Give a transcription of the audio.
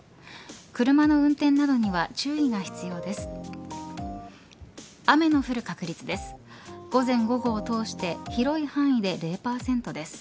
車の運転などには注意が必要です。